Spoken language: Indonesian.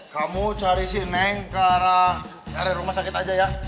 kamu cari si neng ke arah rumah sakit aja ya